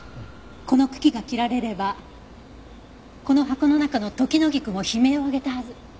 この茎が切られればこの箱の中のトキノギクも悲鳴を上げたはず。